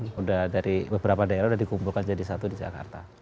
sudah dari beberapa daerah sudah dikumpulkan jadi satu di jakarta